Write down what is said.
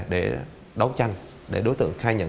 để đấu tranh để đối tượng khai nhận